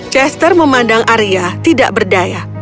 chester memandang arya tidak berdaya